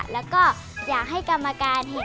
แล้วก็อยากให้กรรมการเห็น